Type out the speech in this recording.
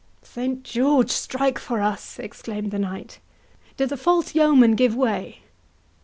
"Saint George strike for us!" exclaimed the knight; "do the false yeomen give way?"